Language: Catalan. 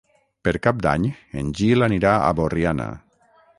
Per Cap d'Any en Gil anirà a Borriana.